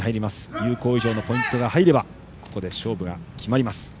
有効以上のポイントが入ればここで勝負が決まります。